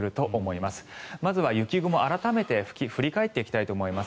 まずは雪雲改めて振り返っていきたいと思います。